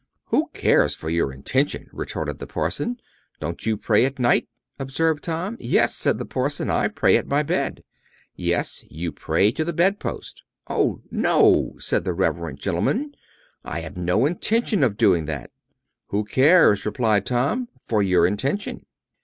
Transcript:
"Who cares for your intention," retorted the parson. "Don't you pray at night?" observed Tom. "Yes," said the parson; "I pray at my bed." "Yes; you pray to the bed post." "Oh, no!" said the reverend gentleman; "I have no intention of doing that." "Who cares," replied Tom, "for your intention."